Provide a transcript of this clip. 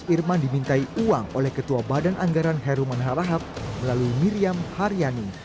irman dimintai uang oleh ketua badan anggaran heruman harahap melalui miriam haryani